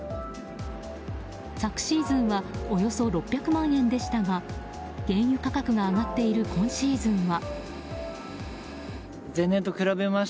昨シーズンはおよそ６００万円でしたが原油価格が上がっている今シーズンは。